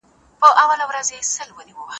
پوځیانو خپلې وسلې په بازارونو کې پلورلې.